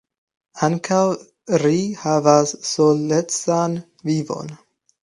Ankaŭ ri havas solecan vivon.